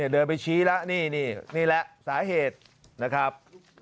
เดินไปชี้แล้วนี่นี่แหละสาเหตุนะครับ